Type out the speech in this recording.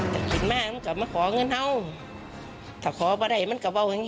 ผู้แม่อยู่กับน้ำยายบอกว่าเอาย้ายนี่